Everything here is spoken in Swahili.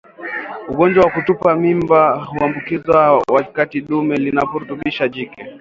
Ugonjwa wa kutupa mimba huambukizwa wakati dume linaporutubisha jike